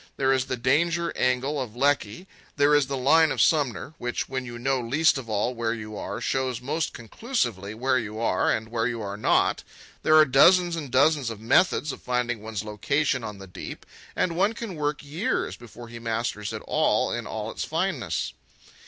There is the danger angle of Lecky, there is the line of Sumner, which, when you know least of all where you are, shows most conclusively where you are, and where you are not. There are dozens and dozens of methods of finding one's location on the deep, and one can work years before he masters it all in all its fineness.